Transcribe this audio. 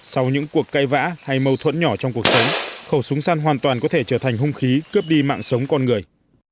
sau những cuộc cay vã hay mâu thuẫn nhỏ trong cuộc sống khẩu súng săn hoàn toàn có thể trở thành hung khí cướp đi mạng sống con người